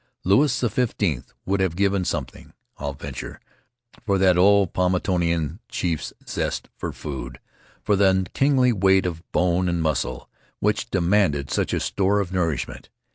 Louis XV would have given something, I'll venture, for that old Paumotuan chief's zest for food, for the kingly weight of bone and muscle which demanded such a store of nourishment.